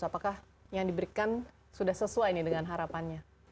apakah yang diberikan sudah sesuai nih dengan harapannya